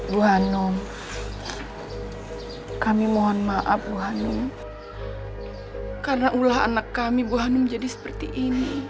buhanum kami mohon maaf buhanum karena ulah anak kami buhanum jadi seperti ini